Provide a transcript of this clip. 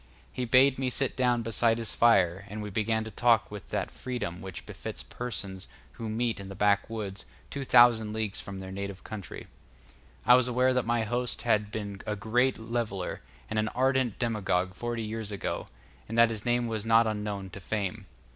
He bade me sit down beside his fire, and we began to talk with that freedom which befits persons who meet in the backwoods, two thousand leagues from their native country. I was aware that my host had been a great leveller and an ardent demagogue forty years ago, and that his name was not unknown to fame.